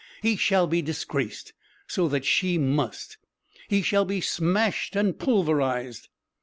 He shall be disgraced, so that she must. He shall be smashed and pulverised."